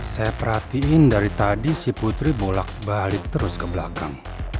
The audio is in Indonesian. saya perhatiin dari tadi si putri bolak balik terus ke belakang